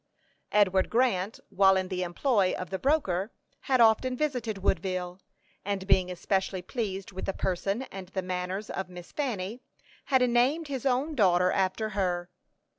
Edward Grant, while in the employ of the broker, had often visited Woodville, and being especially pleased with the person and the manners of Miss Fanny, had named his own daughter after her.